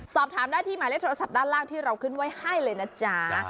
สอบถามได้ที่หมายเลขโทรศัพท์ด้านล่างที่เราขึ้นไว้ให้เลยนะจ๊ะ